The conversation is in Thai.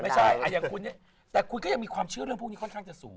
แต่คุณก็ยังมีความเชื่อเรื่องพวกนี้ค่อนข้างจะสูง